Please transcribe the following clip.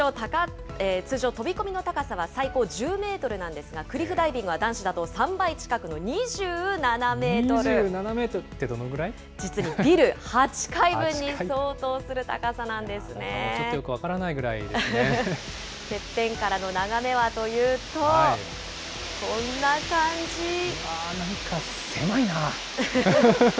通常、飛び込みの高さは最高１０メートルなんですが、クリフダイビングは、２７メートルってどのぐらい実にビル８階分に相当する高ちょっとよく分からないぐらてっぺんからの眺めはといううわー、なんか狭いな。